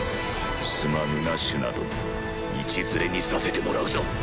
すまぬなシュナ殿道連れにさせてもらうぞ